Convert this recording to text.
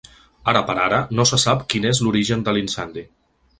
Ara per ara, no se sap quin és l’origen de l’incendi.